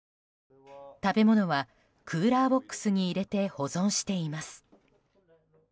食べ物はクーラーボックスに入れて保存しています。